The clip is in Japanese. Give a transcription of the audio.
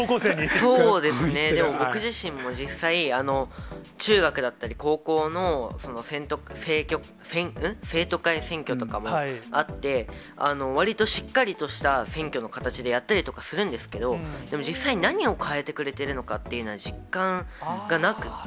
そうですね、でも僕自身も実際、中学だったり、高校の生徒会選挙とかもあって、わりとしっかりとした選挙の形でやったりとかするんですけど、でも実際に何を変えてくれてるのかって実感がなくって、